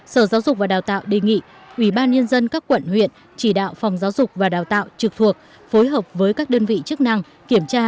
sở giáo dục và đào tạo đề nghị ubnd các quận huyện chỉ đạo phòng giáo dục và đào tạo trực thuộc phối hợp với các đơn vị chức năng kiểm tra